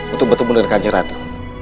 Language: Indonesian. untuk bertemu dengan kanjeng ratu